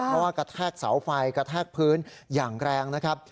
เพราะว่ากระแทกเสาไฟกระแทกพื้นอย่างแรงนะครับ